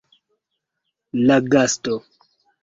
La gasto.